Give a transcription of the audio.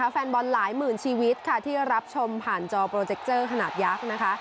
แฟนบอลหลายหมื่นชีวิตค่ะที่รับชมผ่านจอโปรเจคเจอร์ขนาดยักษ์นะคะ